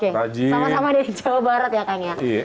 sama sama dari jawa barat ya kaknya